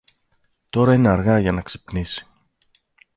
Τώρα είναι αργά για να ξυπνήσει.